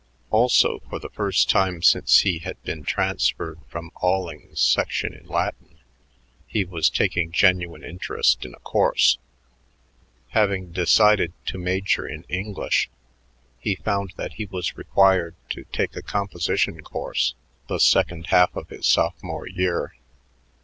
Also, for the first time since he had been transferred from Alling's section in Latin, he was taking genuine interest in a course. Having decided to major in English, he found that he was required to take a composition course the second half of his sophomore year.